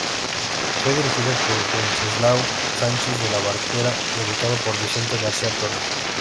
Fue dirigido por Wenceslao Sánchez de la Barquera y editado por Vicente García Torres.